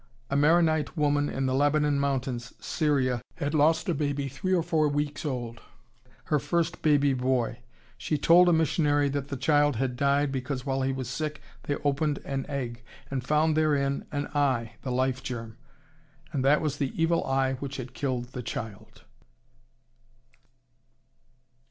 A Maronite woman in the Lebanon mountains, Syria, had lost a baby three or four weeks old, her first baby boy. She told a missionary that the child had died because while he was sick they opened an egg, and found therein an eye (the life germ) and that was the Evil Eye which had killed the child.